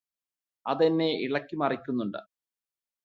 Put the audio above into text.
അത് എന്നെ ഇളക്കി മറിക്കുന്നുണ്ട്